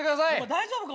大丈夫か？